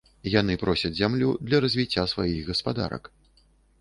Яны просяць зямлю для развіцця сваіх гаспадарак.